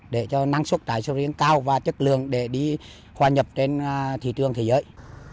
để cho năng suất trái sầu riêng cao và chất lượng để đi hòa nhập trên thị trường thế giới